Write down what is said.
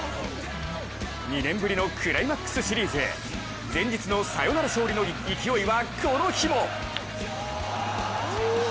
２年ぶりのクライマックスシリーズへ前日のサヨナラ勝利の勢いはこの日も。